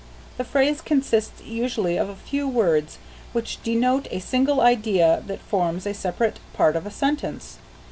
The phrase consists usually of a few words which denote a single idea that forms a separate part of a sentence.